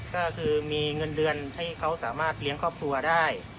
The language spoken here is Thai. ก็คือมีเงินเดือนให้เขาสามารถเลี้ยงครอบครัวได้